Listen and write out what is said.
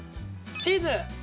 チーズ。